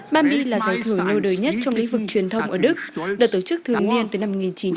bambi là giải thưởng nâu đời nhất trong lĩnh vực truyền thông ở đức được tổ chức thường niên từ năm một nghìn chín trăm bốn mươi tám